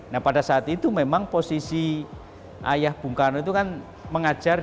nah pada saat itu memang posisi ayah bung karno itu kan mengajar